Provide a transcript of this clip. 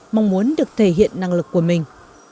mong muốn được thể hiện năng lực của mình